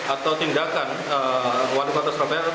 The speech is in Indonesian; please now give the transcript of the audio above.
atau tindakan wali kota surabaya